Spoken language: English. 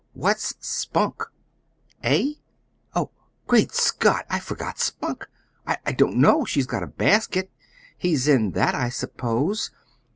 "What's Spunk?" "Eh? oh Great Scott! I forgot Spunk. I don't know. She's got a basket. He's in that, I suppose.